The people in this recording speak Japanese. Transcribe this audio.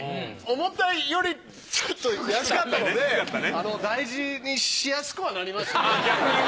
思ったよりちょっと安かったので大事にしやすくはなりますね。